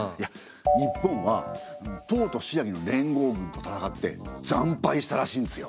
日本は唐と新羅の連合軍と戦って惨敗したらしいんですよ。